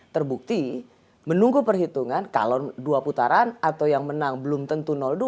terbukti menunggu perhitungan calon dua putaran atau yang menang belum tentu dua